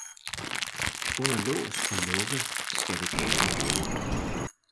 under lås og lukke skal det gale hoved!